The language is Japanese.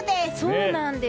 そうなんです。